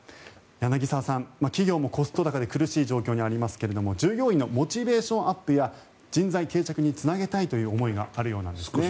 柳澤さん、企業もコスト高で苦しい状況にありますが従業員のモチベーションアップや人材定着につなげたいという思いがあるようなんですね。